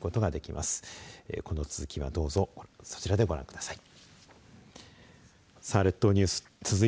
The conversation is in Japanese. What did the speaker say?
この続きはどうぞそちらでご覧ください。